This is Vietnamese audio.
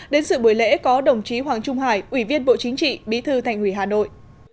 đến sự buổi lễ có đồng chí hoàng trung hải ủy viên bộ chính trị bí thư thành ủy hà nội